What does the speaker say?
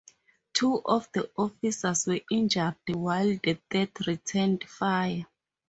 Two of the officers were injured while the third returned fire.